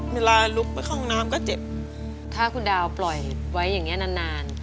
เวลาลุกไปข้องน้ำก็เจ็บถ้าคุณดาวน์ปล่อยไว้อย่างเงี้ยนานนาน